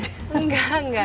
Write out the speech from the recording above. enggak enggak enggak